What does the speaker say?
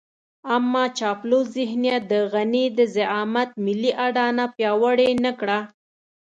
اما چاپلوس ذهنيت د غني د زعامت ملي اډانه پياوړې نه کړه.